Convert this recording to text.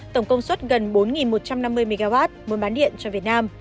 tổng công suất gần bốn một trăm năm mươi mw bán điện cho việt nam